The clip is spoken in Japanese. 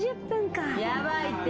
やばいって。